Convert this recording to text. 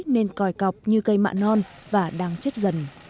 nên còi cọc như cây mạ non và đang chết dần